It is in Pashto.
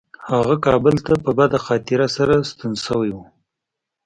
هغه کابل ته په بده خاطرې سره ستون شوی و.